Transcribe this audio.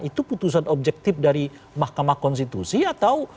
itu putusan objektif dari mahkamah konstitusi atau